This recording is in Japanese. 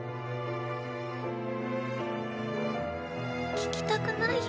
聞きたくないよ。